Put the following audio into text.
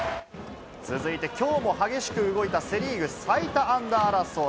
続いてきょうも激しく動いたセ・リーグ最多安打争い。